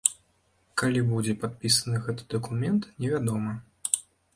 Калі будзе падпісаны гэты дакумент, невядома.